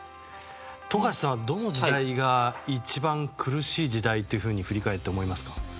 富樫さんは、どの時代が一番苦しい時代というふうに振り返って思いますか？